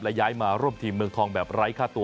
และย้ายมาร่วมทีมเมืองทองแบบไร้ค่าตัว